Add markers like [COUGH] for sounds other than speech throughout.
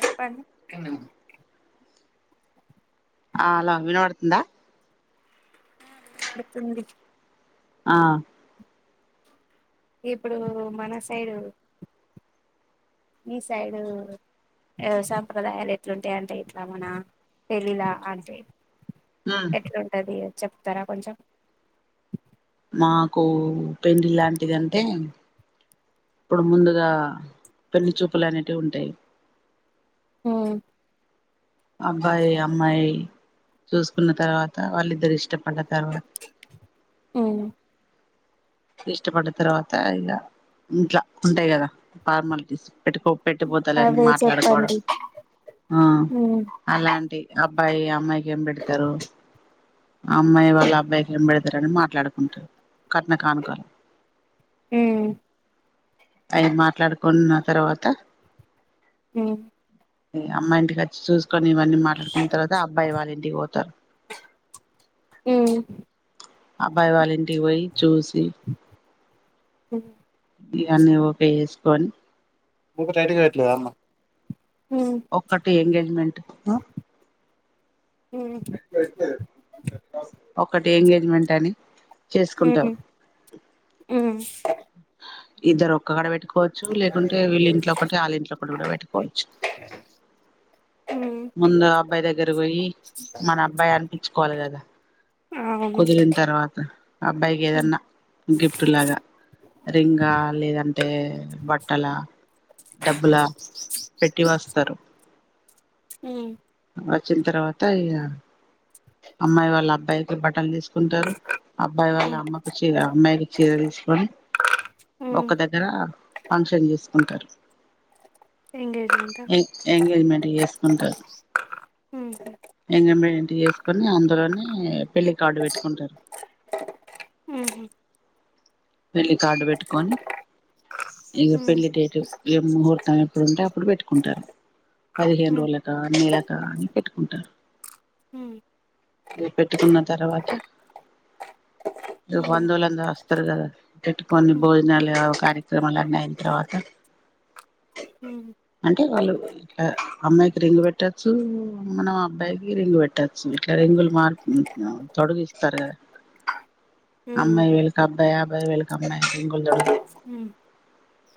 చెప్పండి ఆ హలో వినబడుతుందా ఆ వినబడుతుంది ఆ ఇప్పుడు మన సైడు మీ సైడు సాంప్రదాయాలు ఎట్లుంటాయి అంటే ఇట్లా మన పెళ్ళిలా అంటే ఉమ్. ఎట్లుంటది అని చెప్తారా కొంచెం నాకు పెండ్లి లాంటిదంటే ఇప్పుడు ముందుగా పెళ్లి చూపులు అనేటివి ఉంటాయి మ్ అబ్బాయి అమ్మాయి చూసుకున్న తర్వాత వాళ్ళిద్దరు ఇష్టపడ్డ అ ఉమ్ ఇష్టపడ్డ తర్వాత ఇలా ఇంట్ల ఉంటాయి కదా ఫార్మాలిటీస్ ట్టుకో పెట్టిపోతాలడి అవే మాట్లాడుకోవడం చెప్పండి ఆ ఉమ్ అలాంటి అ యీ అమ్మాయి ఏంబెడ్తరూ అమ్మాయి వాళ్ళబ్బాయిక్ ఎం రని మాట్లాడుకుంటార్ నకానుకాల్ మ్ అయ్ మాట్లాడుకున్న తర్వాత మ్ అమ్మాయింటికి వచ్చి చూసుక్ ని ఇవన్నీ మాట్లాడుకున్న తర్వాత అబ్బాయ్ వాళ్లింటిక్ పోతార్ మ్ అబ్బాయి వాళ్ళింటిక్ పోయి చూసి మ్ ఇగ అన్ని ఓకె చేసుకోన్ టైట్గా వెట్లేదామ్మా ఒక్కటి ఎంగేజ్మెంట్ ఆ ఉమ్ ఒకటి ఎంగేజ్మెంట్ అని చేసుకుంటాం మ్ మ్ ఇద్దర్ ఒక్క కడ బెట్ ఒవచ్చు లేకుంటే వీళ్ళ ఇంట్లో ఒకటి వాళ్ళ ఇంట్లో ఒకటి కూడా పెట్టుకోవచ్చు ఉమ్ ముందు అబ్బాయ్ దగ్గరవోయి మన అబ్బాయి అనిపించుకోవాలి కదా అవును కుదిరిన్ తర్వాత అబ్బాయికి ఏదన్నా గిఫ్ట్ లాగా రింగా లేదంటే బట్టల డబ్బులా పెట్టి వస్తరు ఉమ్ వచ్చిన్ తర్వాత ఇగా అమ్మాయి వాళ్ళ అబ్బాయికి బటల్ తీసుక్ ఉంటారు అబ్బాయి వాళ్ళ ఉమ్ అమ్మకు చీర అమ్మాయికి చీర తీసుకొని ఒక ఉమ్ దగ్గరా ఫంక్షన్ చేసుకుంటార్ ఎంగేజ్మెంట్ ఆ ఎంగ్ ఎంగేజ్మెంట్ చేసుకుంటర్ ఉమ్ ఎంగమెంట్ చేసుకొని అందులోనే పెళ్లి కార్డు పెట్టుకుంటారు. పెళ్ళ కార్డు పెట్టుకొని, ఇగ ఉమ్ పెళ్ళి డేటు ఏ ముహూర్తం ఎప్పుడుంటే అప్పుడు పెట్టుకుంటారు. పదిహేను ఉమ్ రోజులక నెలకా అని పెట్టుకుంటరు. ఉమ్ ఇగ పెట్టుకున్న తర్వాత ఇగ ఉమ్ వందోలందాస్ స్తరు కదా ఇటు కొన్ని ఉమ్ భోజనాలు కార్యక్రమాలు అన్ని అయిన తర్వాత, ఉమ్ అంటే వాళ్ళు ఇట్లా అమ్మాయికి రింగు పెట్టచ్చు మనం అబ్బాయికి రింగు పెట్టొచ్చు, ఇట్లా రింగులు మార్ తొడుగిస్తారు కదా, హ్మ్ అమ్మాయి వీళ్ళకి అబ్బాయి అబ్బాయి వీళ్ళకి అమ్మాయి రింగులు తొడు, హ్మ్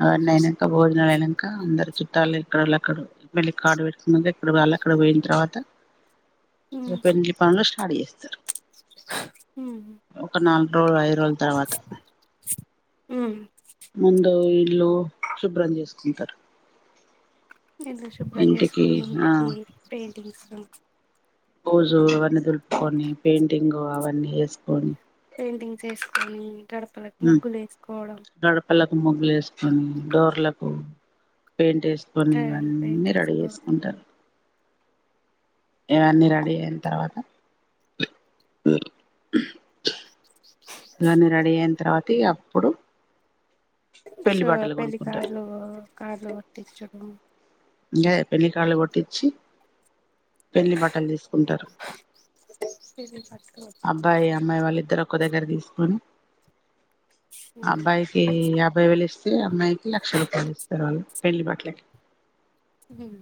అవ్వన్నీ అయినంక భోజనాలు అయినంక, అందరు చుట్టాలు ఎక్కడోళ్ళు అక్కడ వెళ్ళ కాడు పెట్టినక ఎక్కడోళ్ళు అక్కడ పోయిన తర్వాత, ఇగ పెండ్లి పనులు స్టార్ట్ చేస్తరు, హ్మ్ ఒక నాలుగు రోజులు ఐదు రోజుల తర్వాత ముందు ఇల్లు శుభ్రం చేసుకుంటరు. ఇల్లు శుభ్రం చేసుకొని ఇంటికి పెయింటింగ్స్ బూజు ఇవ్వన్ దులుపుకొని పెయింటింగ్ అవన్నీ ఏసుకొని పెయింటింగ్స్ ఏసుకొని గడపలకు ఉమ్ ముగ్గులు ఏసుకో గడపలకు ముగ్గులు ఏసుకొని, డోర్లకు పెయింట్ ఏసుకొని పెయింట్ ఇవన్నీ రడీ వేసుకోవడం చేసుకుంటరు. ఇవన్నీ రెడీ అయిన తర్వాత, ఉమ్ ఇవన్నీ రెడీ అయిన తర్వాత ఇగ అప్పుడు పెళ్లి సో బట్టలు పెళ్లి కొనుక్కుంటారు కార్డ్లు కార్డ్లు కొట్టించుడు. ఇంకా పెళ్లి కార్డు కొటిచ్చి పెళ్లి బట్టలు తీసుకుంటరు, పెళ్లి బట్టలు అబ్బాయి అమ్మాయి వాళ్ళ ఇద్దరు ఒక దగ్గర తీసుకొని అబ్బాయికి యాభై వేలు ఇస్తే, అమ్మాయికి లక్ష రూపాయలు ఇస్తరు ఆళ్ళు. పెళ్ళి బట్లకి హ్మ్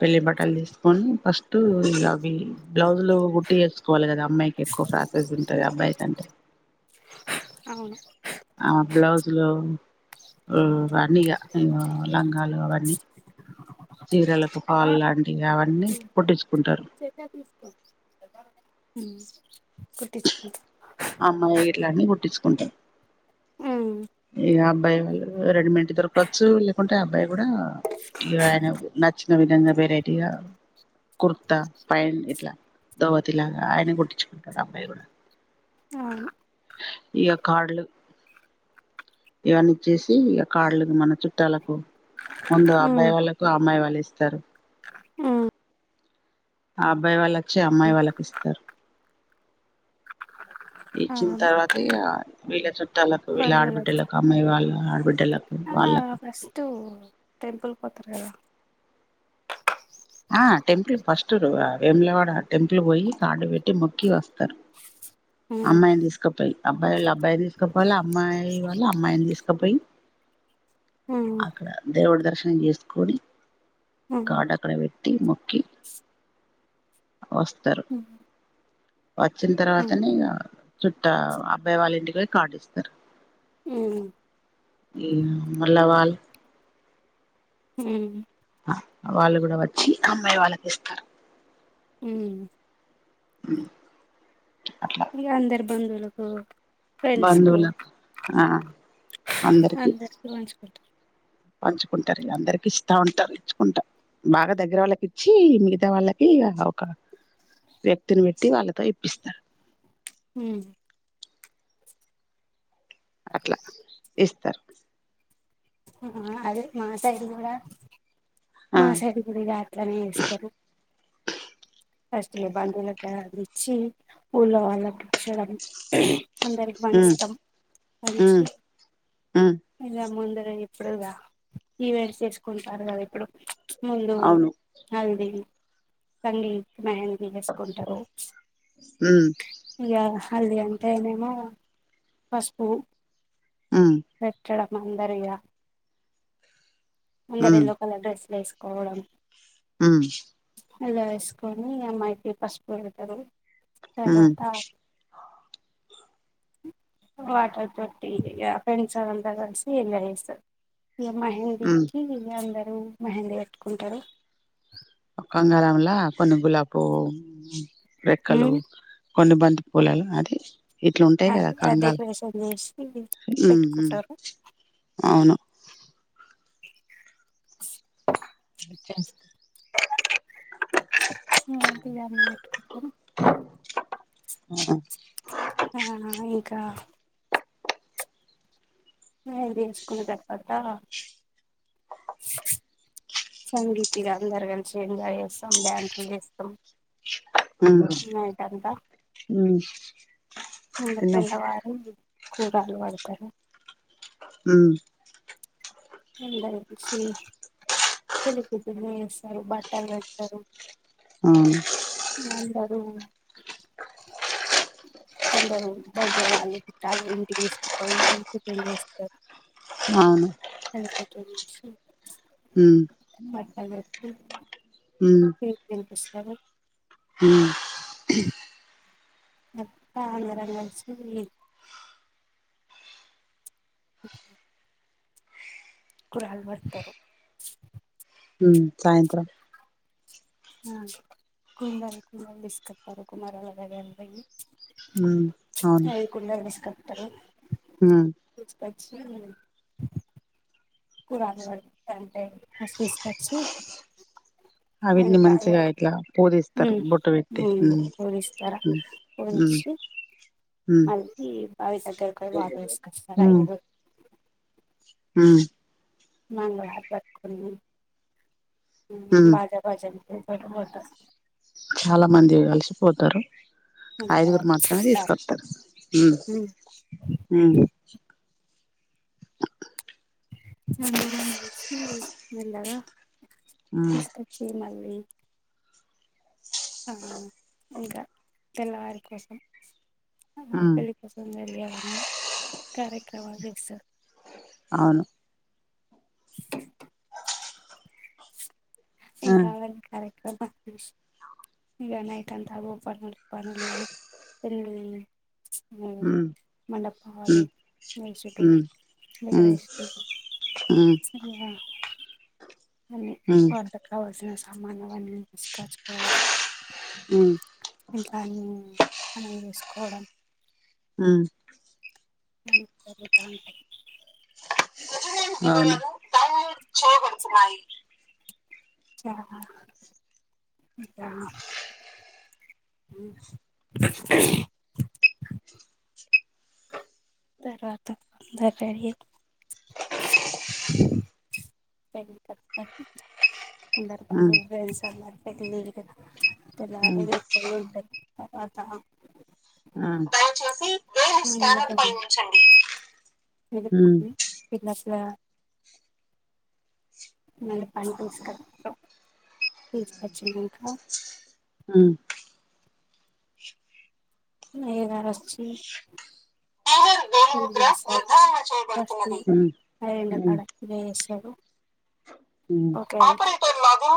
పెళ్లి బట్టలు తీసుకొని ఫస్ట్ ఇలా అవి బ్లౌజులు గుట్టి ఏసుకోవాలి కదా అమ్మాయికి ఎక్కువ ఫ్రాసెస్ ఉంటది అబ్బాయి కంటే. అవును ఆ బ్లౌజ్ లో [INAUDIBLE] అవన్నీగా లంగాలు అవన్నీ, జీరలకు ఫాల్ లాంటి ఇగ అవన్నీ కుట్టించుకుంటరు. [INAUDIBLE] [UNINTELLIGIBLE] అమ్మాయి ఇట్లని కుట్టించుకో ఉంట ఉమ్ ఇ అబ్బాయి వాళ్ళు రెడి మేంట్ దొరకొచ్చు లేకుంట అ అబ్బాయి గూడ ఇగ ఆయన నచ్చిన విధంగా వెరైటీగా కుర్తా పైన్ ఇట్లా దోతి లాగా ఆయన గుట్టించుకుంటాడు అబ్బాయి గూడా అవును ఇగ కాడ్ లు ఇవన్నీచ్చేసి ఇక కాడ్ లు మన చుట్టాలకు వంద అబ్బాయి వాళ్ళకు అమ్మాయి వాళ్ళే ఇస్తరు ఉమ్ అబ్బాయి వాళ్ళకి వచ్చి అమ్మాయి వాళ్ళకి ఇస్తరు ఇచ్చిన అవును తర్వాతే ఇగా వీళ్ళ చుట్టాలకు వీళ్ళ ఆడబిడ్డలకు అమ్మాయి వాళ్ళ ఆడబడి ఆహ ఫస్ట్ టెంపుల్ పోతరు గదా పోతుర్ వేములవాడ టెంపుల్ పోయి కార్డు పెట్టి మొక్కి వస్తరు అమ్మాయిని తీసుకుపోయి అబ్బాయోళ్ళు అబ్బాయి తీసు కోపోల్ప్ అమ్మాయి ల వాళ్ళ అమ్మాయిని తీసుకపోయి అక్కడ దేవుడు దర్శనం చేసుకోని కాడ్ అక్కడ పె ట్టి మొక్కి వస్తరు ఉమ్ వచ్చిన ఉమ్ తర్వాతనే ఇగా చుట్ట అబ్బాయి వాళ్ళ ఇంటికి పోయి కాడ్ ఇస్తరు మ్ ఈమ్ మల్లవాళ్ళు ఉమ్ వాళ్ళు గూడా వచ్చి అమ్మాయి వాళ్ళకి ఇస్తరు ఉ అ [INAUDIBLE] ఇగ అందరి బందువులకు బందువుల ఆ అందరికి [INAUDIBLE] పంచుకుంటారు అందరికి ఇస్తా ఉంటం ఇచ్చుకుంటా బాగా దగ్గర వాళ్ళకి ఇచ్చి మిగతా వాళ్ళకి ఒక వ్యక్తిని పెట్టి వాళ్ళతో ఇప్పిస్తారు ఉమ్ అట్లా ఇస్తరు అహ అదే మా సైడు కూడా ఆ మా సైడ్ కూడా అట్లనే ఇస్తరు ఫస్ట్ మా బంధువులకి ఇచ్చి ఊళ్ళో వాళ్ళకి ఇచ్చేదాన్ని అందరికి ఉమ్ మంచుతం పంచి ఉమ్ ఉమ్ ఇలా ముందు ఇప్పుడిగా ఈవెంట్ చేసుకుంటారు కదా ఇప్పుడు ముందు అవును వాళ్ళు ఆహా పర్లేదు ఏం రివర్స్ కొంటారు ఉమ్ ఇక మల్లిీ అంటేనేమో పసుపు ఉమ్ ఎక్కడ ఉండరిగా అందరు ఉమ్ ఎల్లో కలర్ డ్రెస్సు వేసుకుంటా కోవడం ఉమ్ హెల్లాయిస్ కోని అమ్మాయికి పసుపు పెడతారు ఉమ్ తర్వాత వాటర్ తోటి ఇగ ఫ్రెండ్స్ అదంతా కలిసి ఎంజాయ్ ఏస్తా ఇగ ఉమ్ మెహందీకి అంద ఊ మెహందీ వెట్టుకుంటారు ఒక్క అంగారం లా కొన్ని గులాబ్ పువ్వు రెక్కలు కొన్ని బంతి పూలల్ల అది ఇట్లుంటాయి కదా అ కంగాలు డెకరేషన్ చేసి ఊ ఊ పెట్టుకుంటారు అవును రిచ్చాక్ [INAUDIBLE] అది పెట్టుకుంటాం [UNINTELLIGIBLE] ఆ ఇంకా [UNINTELLIGIBLE] రప్పత సంగీత్ కి అందరూ కలిసి ఎంజాయ్ చేస్తాం డ్యాన్సులు చేస్తం మ్మ్ మ్మ్ ఇంకా తిన్నం తెల్లవారి కూరలు వాడతారు ఉమ్ అందరు వచ్చి పెళ్ళి కూతురిని చేస్తారు బట్టలు పెడుతారు అవును మ్మ్ కొందరు దగ్గర వాళ్ళు చుట్టాలు ఇంటికి తీసుకపోయి ఇ పు వస్తారు అవును ఓకే స హుమ్ అ అ హ అత్త అన్నర మరిచ కూడా అలవాడతారు హుమ్ సాయంత్రం ఆ కుంద కుందలు తీసుకతారు కుమారులా ఎ ఉ అవును తరువాత హుమ్ అ కూడా అంటే స్ తీసుకొచ్చి అవిటిని ఇంకా మంచిగా ఇట్లా పూజిస్తారు బొట్టు పెట్టి హ్మ్ చూదిస్తారా హ్మ్ హ్మ్ పోూజించ హ్మ్ మళ్ళీ బవి దగ్గరకి వాట వసుకొస్తారు అఐ హుమ్ మంగళ పకున్నా హ్మ్ బజా బజా ఇ వత చాలా మంది కలిసిపోతారు ఐదుగురు మాత్రమే చుట్టాలు తీసుకొతారు అ వెలరా హ్మ్ తీసుకచ్చిమ అ ఆ ఇంకా తెల్లవారికోసం హ్మ్ పెళ్లిప సౌందర్వారులు అన్ని కార్యక్రమా వస అవును ఆ ఏం కావండి కరెక్ ఇ నైట్ అంతా పనులు పలు హ్మ్ మండపవాలు హ్మ్ మేసుడు హ్మ్ హ్మ్ వెగరేష్ హ్మ్ స అని హ్మ్ వంట కావాల్సిన సమాన వని స్కాచ్ ప హ్మ్ ఇంకా మనం చూసుకోవడం హ్మ్ జరుగుతా ఉంటాయి [UNINTELLIGIBLE] తరువాత అందరు సర ఇందరు హ్మ్ పంన్స్ పెక్లి కదా హ్మ్ వ వృకులు ఉంట [UNINTELLIGIBLE] ఉమ్, మీ పలాస న పనిపసకు పజ పచ్చి ఇంకా ఆ ఏ అచ్చి డీలర్ తె వేలిముద్ర దసారు నిర్ధారణ ఫస్ చేయబడుతున్నది ఉమ్, ఏఐళ ఉమ్, కడ వేయసడు [UNINTELLIGIBLE]